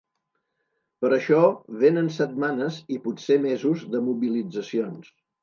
Per això vénen setmanes i potser mesos de mobilitzacions.